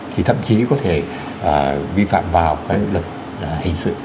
thì thậm chí có thể vi phạm vào cái luật hình sự